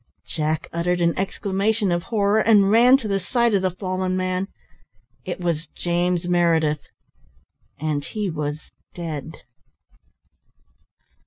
Jack uttered an exclamation of horror and ran to the side of the fallen man. It was James Meredith, and he was dead.